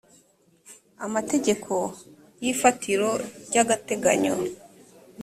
amategeko y ifatira ry agateganyo